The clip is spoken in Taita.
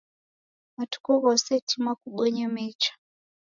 Matuku ghose tima kubonye mecha.